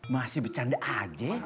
masih bicanda aja